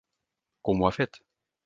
Com ho ha fet?